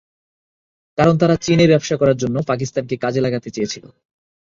কারণ তারা চীনে ব্যবসা করার জন্য পাকিস্তানকে কাজে লাগাতে চেয়েছিল।